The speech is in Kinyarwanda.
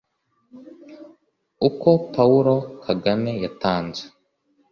Uko Paulo Kagame yatanze